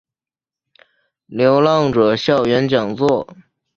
流浪者校园讲座